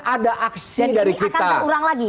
ada aksi dari kita jadi ini akan keurang lagi